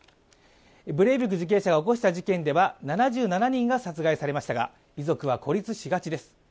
ブレイビク受刑者が起こした事件では、７７人が殺害されましたが、遺族は孤立しがちです。